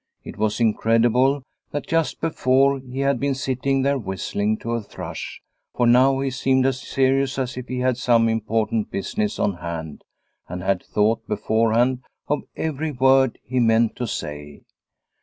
It was incredible that just before he had been sitting there whistling to a thrush, for now he seemed as serious as if he had some important business on hand and had thought beforehand of every word he meant to say.